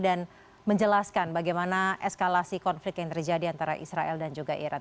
dan menjelaskan bagaimana eskalasi konflik yang terjadi antara israel dan juga iran